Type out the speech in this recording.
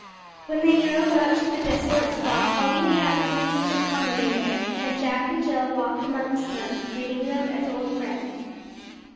When they drove out to the desolate spot all the inhabitants of the Common were there, and Jack and Jill walked amongst them, greeting them as old friends.